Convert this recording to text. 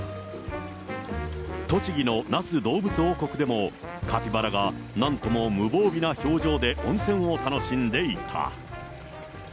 栃木の那須どうぶつ王国でも、カピバラがなんとも無防備な表情で温泉を楽しんでいた。